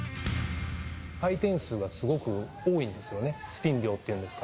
回転数がすごく多いんですよね、スピン量っていうんですか。